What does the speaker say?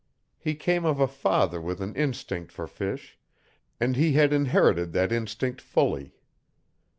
He came of a father with an instinct for fish, and he had inherited that instinct fully.